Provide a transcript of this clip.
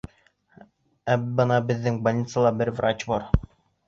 Ә бына беҙҙең больницала бер врач бар.